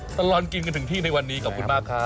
ตลอดกินกันถึงที่ในวันนี้ขอบคุณมากครับ